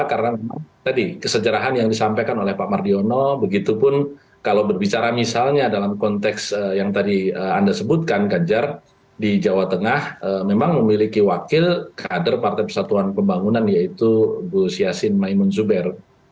karena tadi kesejarahan yang disampaikan oleh pak mardiono begitu pun kalau berbicara misalnya dalam konteks yang tadi anda sebutkan ganjar di jawa tengah memang memiliki wakil kader partai persatuan pembangunan yaitu bu siasin maimon zuber